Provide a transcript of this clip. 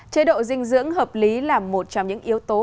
chế độ dinh dưỡng hợp lý là một trong những yếu tố